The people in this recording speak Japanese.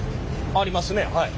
ありますねはい。